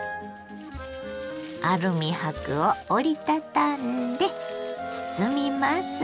アルミ箔を折り畳んで包みます。